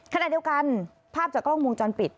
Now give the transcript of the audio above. ขณะเดียวกันภาพจากกล้องวงจรปิด